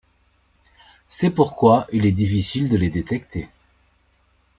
C'est pourquoi il est difficile de les détecter.